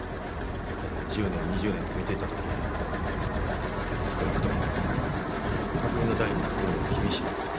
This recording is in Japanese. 今後１０年２０年と見ていった時少なくとも巧海の代になる頃には厳しい。